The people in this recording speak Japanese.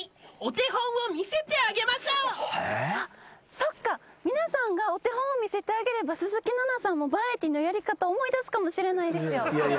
そっか皆さんがお手本を見せてあげれば鈴木奈々さんもバラエティーのやり方を思い出すかもしれないですよ。